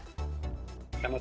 sama sama mbak menteri